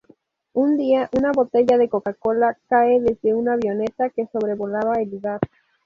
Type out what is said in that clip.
Un día, una botella de Coca-Cola cae desde una avioneta que sobrevolaba el lugar.